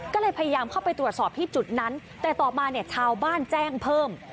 ก็เลยพยายามเข้าไปตรวจสอบที่จุดนั้นแต่ต่อมาเนี่ยชาวบ้านแจ้งเพิ่ม